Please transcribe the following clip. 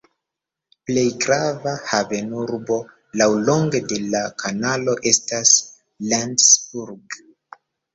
Plej grava havenurbo laŭlonge de la kanalo estas Rendsburg.